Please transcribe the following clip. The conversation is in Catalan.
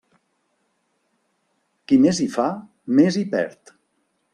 Qui més hi fa, més hi perd.